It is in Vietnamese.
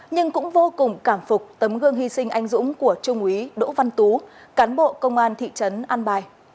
nhưng cũng vô cùng cảm phục tấm gương hy sinh anh dũng của trung úy đỗ văn tú cán bộ công an thị trấn an bài